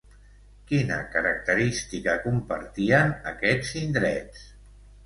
Quina característica compartien aquests indrets?